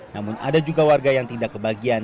namun ada juga warga yang tidak kebagian